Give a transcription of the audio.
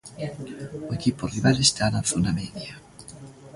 O equipo rival está na zona media.